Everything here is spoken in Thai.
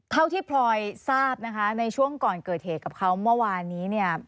เท่าที่พลอยทราบนะคะในช่วงก่อนเกิดเหตุกับเขาเมื่อวานนี้เนี่ย